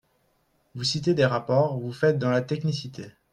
Vous citez des rapports, vous faites dans la technicité.